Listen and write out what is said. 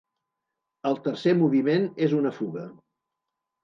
El tercer moviment és una fuga.